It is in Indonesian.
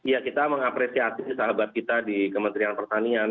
ya kita mengapresiasi sahabat kita di kementerian pertanian